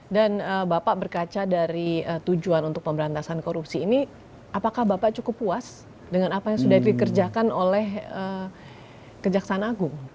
bapak berkaca dari tujuan untuk pemberantasan korupsi ini apakah bapak cukup puas dengan apa yang sudah dikerjakan oleh kejaksaan agung